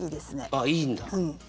あっいいんだ？